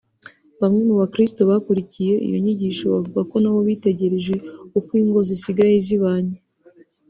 Bamwe mu bakirisitu bakurikiye iyo nyigisho bavuga ko na bo bitegereje uko ingo zisigaye zibanye